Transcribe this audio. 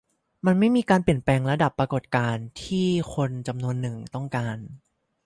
มันไม่มีการเปลี่ยนแปลงระดับปรากฏการณ์ที่คนอีกจำนวนนึงต้องการ